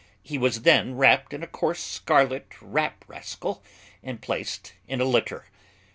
He was then wrapped in a coarse scarlet wrap rascal, and placed in a litter.